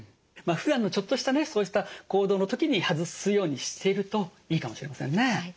まあふだんのちょっとしたそうした行動の時に外すようにしているといいかもしれませんね。